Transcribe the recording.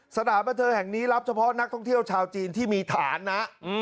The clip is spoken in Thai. สถานบันเทิงแห่งนี้รับเฉพาะนักท่องเที่ยวชาวจีนที่มีฐานนะ